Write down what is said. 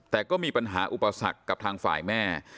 แต่ก็มีปัญหาอุปสรรคกับทางฝ่ายแม่